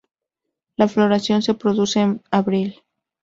La floración se produce en abril.